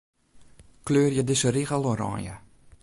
Kleurje dizze rigel oranje.